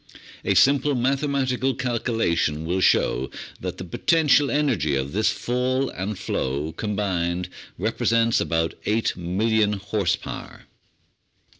A simple mathematical calculation will show that the potential energy of this fall and flow combined represents about 8,000,000 horse power.